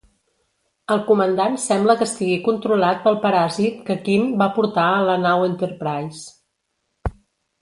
El comandant sembla que estigui controlat pel paràsit que Quinn va portar a la nau Enterprise.